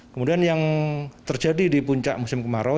kemudian yang terjadi di puncak musim kemarau